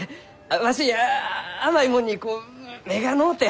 わし甘いもんにこう目がのうて！